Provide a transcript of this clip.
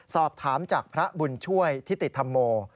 สอบถามจากพระบุญช่วยทิติธรรมโม